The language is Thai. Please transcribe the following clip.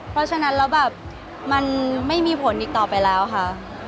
เพราะฉะนั้นแล้วแบบมันไม่มีผลอีกต่อไปแล้วค่ะ